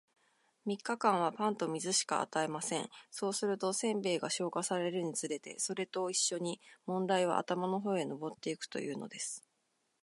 三日間は、パンと水しか与えません。そうすると、煎餅が消化されるにつれて、それと一しょに問題は頭の方へ上ってゆくというのです。